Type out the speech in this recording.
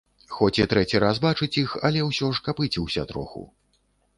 Хоць і трэці раз бачыць іх, але ўсё ж капыціўся троху.